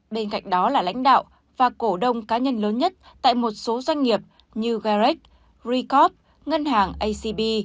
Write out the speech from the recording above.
bên cạnh đó là lãnh đạo và cổ đông cá nhân lớn nhất tại một số doanh nghiệp như garrect recop ngân hàng acb